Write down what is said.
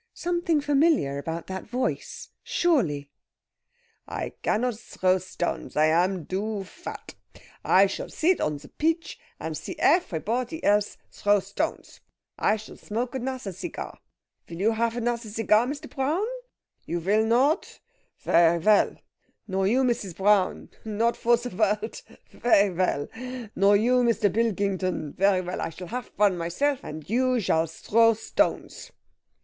Something familiar about that voice, surely! "I gannod throw stoanss. I am too vat. I shall sit on the peach and see effrypotty else throw stoanss. I shall smoke another cigar. Will you haff another cigar, Mr. Prown? You will not? Ferry well! Nor you, Mrs. Prown? Not for the worlt? Ferry well! Nor you, Mr. Bilkington? Ferry well! I shall haff one myself, and you shall throw stoanss."